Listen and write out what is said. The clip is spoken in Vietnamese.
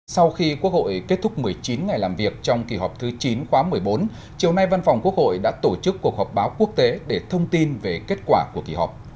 sau khi quốc hội kết thúc một mươi chín ngày làm việc trong kỳ họp thứ chín khóa một mươi bốn chiều nay văn phòng quốc hội đã tổ chức cuộc họp báo quốc tế để thông tin về kết quả của kỳ họp